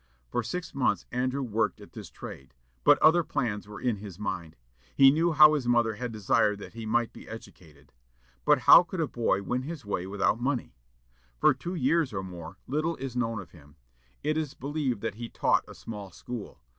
For six months Andrew worked at this trade. But other plans were in his mind. He knew how his mother had desired that he might be educated. But how could a boy win his way without money? For two years or more, little is known of him. It is believed that he taught a small school.